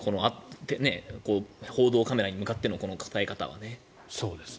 報道カメラに向かっての語り方はね。